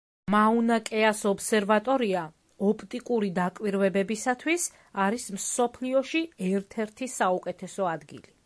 მაუნა-კეას ობსერვატორია ოპტიკური დაკვირვებებისათვის არის მსოფლიოში ერთ-ერთი საუკეთესო ადგილი.